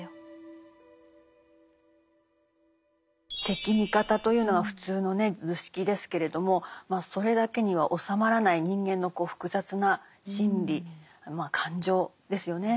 敵味方というのが普通のね図式ですけれどもそれだけには収まらない人間の複雑な心理感情ですよね。